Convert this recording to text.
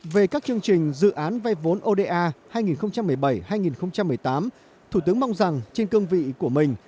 về các chương trình dự án vay vốn oda hai nghìn một mươi bảy hai nghìn một mươi tám thủ tướng mong rằng trên cương vị của mình